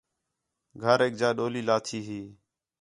گھریک جا ݙولی لاتھی ہی